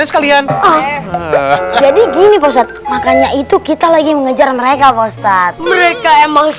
sekalian jadi gini makanya itu kita lagi mengejar mereka ustadz mereka